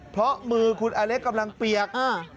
เพราะมือคุณอเล็กกำลังเปียก